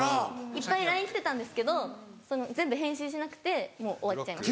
いっぱいＬＩＮＥ来てたんですけど全部返信しなくてもう終わっちゃいます。